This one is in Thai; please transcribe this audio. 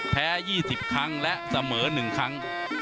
แพ้๒๐ครั้งและเสมอ๑ครั้ง